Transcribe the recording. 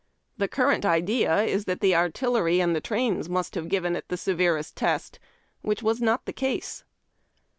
The current idea is that the artillery and the trains must have given it the severest test, which was not the case.